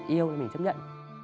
yêu thì mình chấp nhận